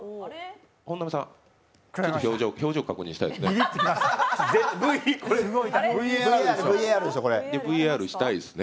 本並さん、表情確認したいですね。